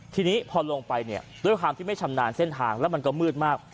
ทีนี้พอลงไปเนี่ยด้วยความที่ไม่ชำนาญเส้นทางแล้วมันก็มืดมาก